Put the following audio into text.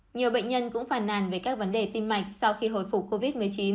nhiều bệnh nhân cũng phàn về các vấn đề tim mạch sau khi hồi phục covid một mươi chín